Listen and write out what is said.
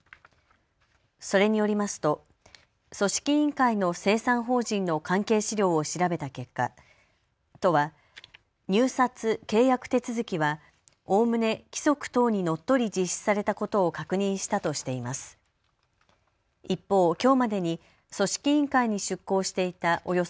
それによりますと組織委員会の清算法人の関係資料を調べた結果、都は、入札・契約手続きはおおむね規則等にのっとり実施されたことを確認したとしています。